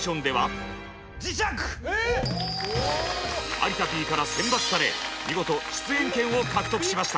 有田Ｐから選抜され見事出演権を獲得しました！